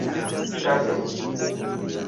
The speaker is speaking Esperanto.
ŝato